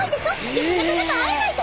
でもなかなか会えないからね。